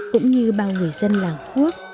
cũng như bao người dân làng khuốc